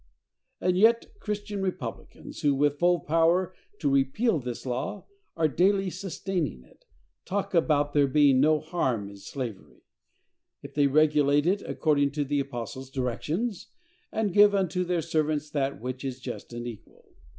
And yet, Christian republicans, who, with full power to repeal this law, are daily sustaining it, talk about there being no harm in slavery, if they regulate it according to the apostle's directions, and give unto their servants that which is just and equal.